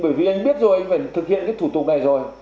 bởi vì anh biết rồi anh phải thực hiện cái thủ tục này rồi